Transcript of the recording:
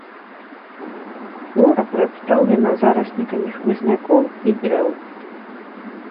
Флора прадстаўлена зараснікамі хмызнякоў і дрэў.